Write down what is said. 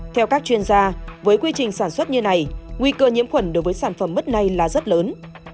theo các chuyên gia với quy trình sản xuất như này nguy cơ nhiễm khuẩn đối với sản phẩm mứt này là rất lớn